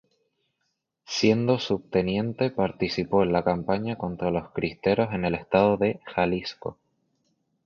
Siendo subteniente participó en la campaña contra los cristeros en el estado de Jalisco.